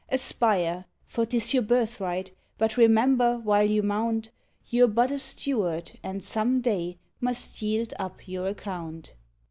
Aspire! for 'tis your birthright, but remember while you mount You're but a steward and some day must yield up your account.